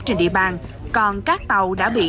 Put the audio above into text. trên địa bàn còn các tàu đã bị